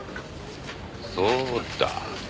そうだ。